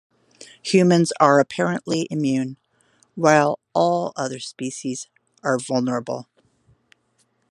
Humans are apparently immune, while all other species are vulnerable.